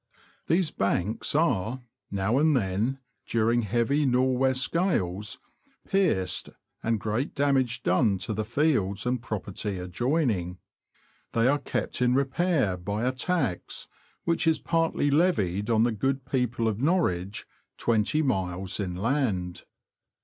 These banks are, now and then, during heavy Nor' west gales, pierced, and great damage done to the fields and property adjoining. They are kept in repair by a tax, which is partly levied on the good people of Norwich, twenty miles inland.